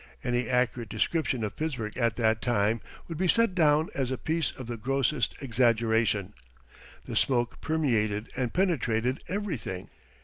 Any accurate description of Pittsburgh at that time would be set down as a piece of the grossest exaggeration. The smoke permeated and penetrated everything.